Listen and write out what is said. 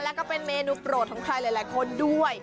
แล้วก็เป็นเมนูโปรดของใครหลายคนด้วย